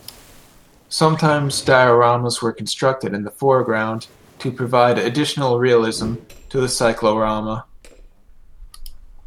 Sometimes dioramas were constructed in the foreground to provide additional realism to the cyclorama.